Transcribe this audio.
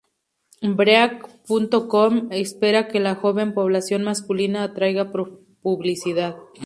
Break.com espera que la joven población masculina atraiga publicidad.